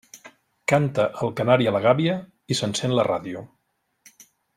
Canta el canari a la gàbia i s'encén la ràdio.